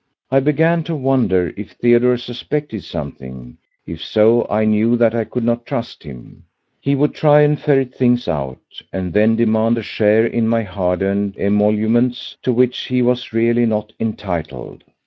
I began to wonder if Theodore suspected something; if so, I knew that I could not trust him. He would try and ferret things out, and then demand a share in my hard earned emoluments to which he was really not entitled.